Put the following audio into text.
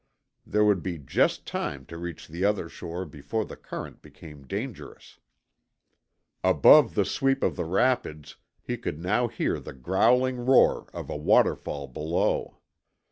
There would be just time to reach the other shore before the current became dangerous. Above the sweep of the rapids he could now hear the growling roar of a waterfall below.